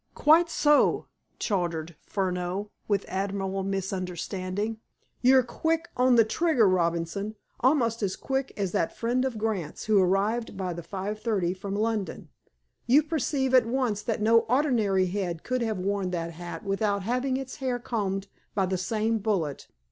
"Quite so!" chortled Furneaux, with admirable misunderstanding. "You're quick on the trigger, Robinson—almost as quick as that friend of Grant's who arrived by the 5.30 from London. You perceive at once that no ordinary head could have worn that hat without having its hair combed by the same bullet.